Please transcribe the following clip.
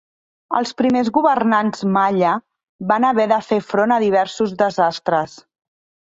Els primers governants Malla van haver de fer front a diversos desastres.